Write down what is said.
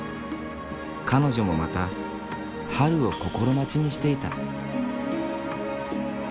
彼女もまた春を心待ちにしていた。